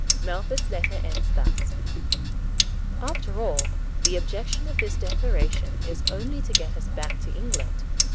Melfort's letter ends thus: "After all, the object of this Declaration is only to get us back to England.